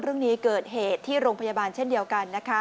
เรื่องนี้เกิดเหตุที่โรงพยาบาลเช่นเดียวกันนะคะ